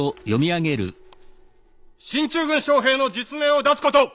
進駐軍将兵の実名を出すこと！